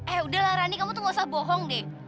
eh udahlah rani kamu tuh gak usah bohong deh